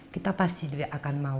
kita pasti tidak akan mau